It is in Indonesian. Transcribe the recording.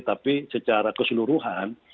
tapi secara keseluruhan